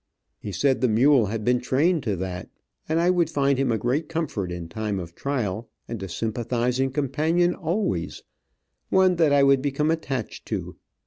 He said the mule had been trained to that, and I would find him a great comfort in time of trial, and a sympathizing companion always, one that I would become attached to.